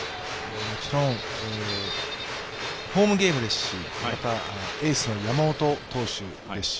もちろんホームゲームですし、またエースの山本投手ですし